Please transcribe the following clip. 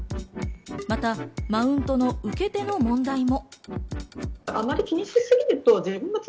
また、マウントの受け手の問題も。